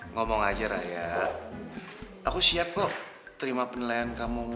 ngomong aja raya aku siap kok terima penilaian kamu